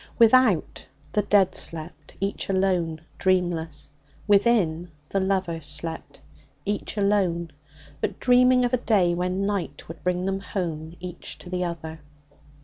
Without, the dead slept, each alone, dreamless. Within, the lovers slept, each alone, but dreaming of a day when night should bring them home each to the other.